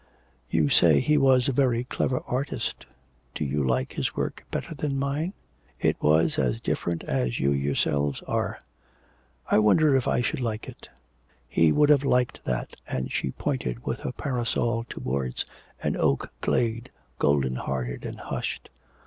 'You say he was a very clever artist. Do you like his work better than mine?' 'It was as different as you yourselves are.' 'I wonder if I should like it?' 'He would have liked that,' and she pointed with her parasol towards an oak glade, golden hearted and hushed.